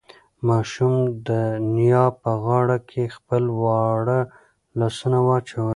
ماشوم د نیا په غاړه کې خپل واړه لاسونه واچول.